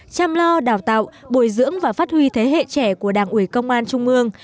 chăm lo đào tạo bồi dưỡng và phát huy thế hệ trẻ của đảng ủy công an trung ương